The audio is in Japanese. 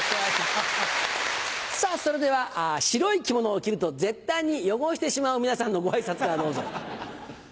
さぁそれでは白い着物を着ると絶対に汚してしまう皆さんのご挨拶からどうぞ。